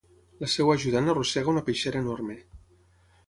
La seva ajudant arrossega una peixera enorme.